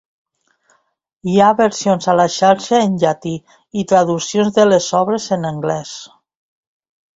Hi ha versions a la xarxa en llatí i traduccions de les obres en anglès.